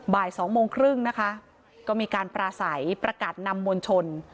บ่ายสองโมงครึ่งนะคะก็มีการปราศัยประกาศนำมวลชน